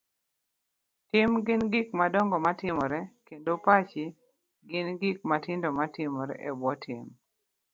Tim gin gik madongo matimore, kendo picha gin gik matindo mantie ebwo tim.